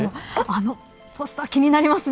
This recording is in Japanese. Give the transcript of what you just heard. あのポスター、気になりますね